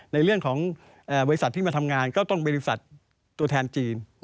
ในเรื่องของบริษัทที่มาทำงานก็ต้องบริษัทตัวแทนจีน